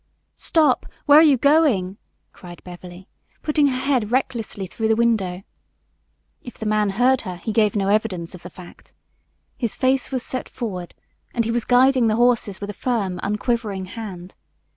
"Stop! Where are you going?" cried Beverly, putting her head recklessly through the window. If the man heard her he gave no evidence of the fact. His face was set forward and he was guiding the horses with a firm, unquivering hand.